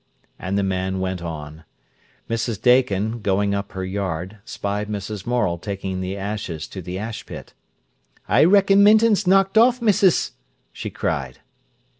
And the man went on. Mrs. Dakin, going up her yard, spied Mrs. Morel taking the ashes to the ash pit. "I reckon Minton's knocked off, missis," she cried.